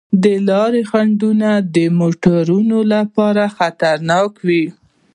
د لارې خنډونه د موټروانو لپاره خطرناک وي.